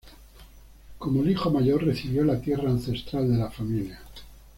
Como el hijo mayor, recibió la tierra ancestral de la familia.